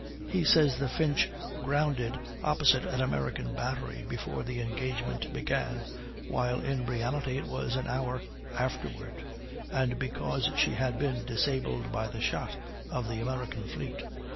He says that the Finch grounded opposite an American battery before the engagement began, while in reality it was an hour afterward, and because she had been disabled by the shot of the American fleet.